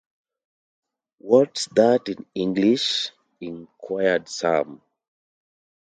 ‘What’s that in English?’ inquired Sam.